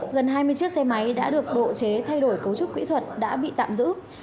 gần hai mươi chiếc xe máy đã được độ chế thay đổi cấu trúc kỹ thuật đã bị tạm giữ